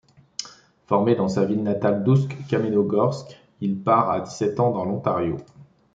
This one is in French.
Formé dans sa ville natale d'Oust-Kamenogorsk, il part à dix-sept ans dans l'Ontario.